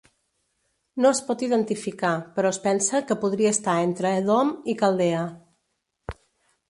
No es pot identificar però es pensa que podria estar entre Edom i Caldea.